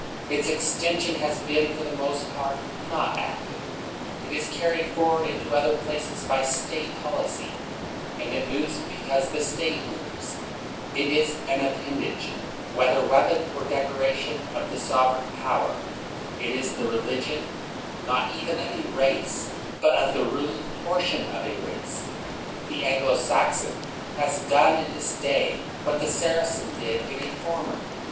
Its exten sion has been, for the most part, not active; it is carried forward into other places by State policy, and it moves because the State moves; it is an appendage, whether weapon or decora tion, of the sovereign power; it is the religion, 218 NEWMAN not even of a race, but of the ruling portion of a race. The Anglo Saxon has done in this day what the Saracen did in a former.